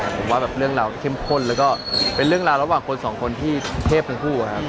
ผมว่าแบบเรื่องราวเข้มข้นแล้วก็เป็นเรื่องราวระหว่างคนสองคนที่เทพทั้งคู่ครับ